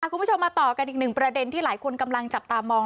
คุณผู้ชมมาต่อกันอีกหนึ่งประเด็นที่หลายคนกำลังจับตามอง